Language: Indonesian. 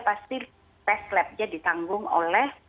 pasti tes labnya ditanggung oleh